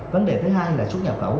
vấn đề thứ hai là xuất nhập khẩu